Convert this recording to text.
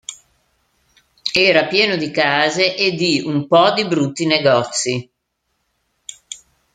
Era pieno di case e di "un po' di brutti negozi".